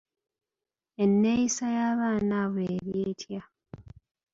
Enneeyisa y'abaana abo eri etya?